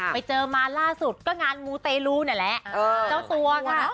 ไปเจอมาล่าสุดก็งานมูเตลูนี่แหละเจ้าตัวไง